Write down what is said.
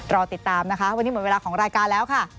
รอติดตามนะคะวันนี้หมดเวลาของรายการแล้วค่ะ